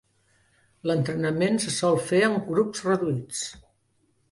L'entrenament se sol fer en grups reduïts.